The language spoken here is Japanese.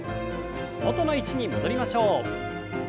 元の位置に戻りましょう。